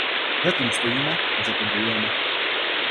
Za tím stojíme a za to bojujeme.